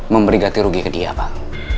memberi ganti rugi ke dia pak